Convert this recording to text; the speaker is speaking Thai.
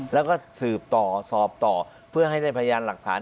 แล้วก็สืบต่อสอบต่อเพื่อให้ได้พยานหลักฐาน